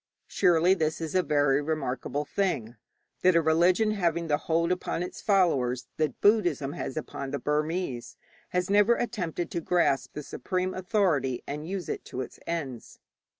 Surely this is a very remarkable thing, that a religion having the hold upon its followers that Buddhism has upon the Burmese has never attempted to grasp the supreme authority and use it to its ends.